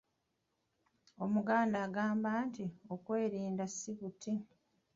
"Omuganda agamaba nti, “Okwerinda si buti...”"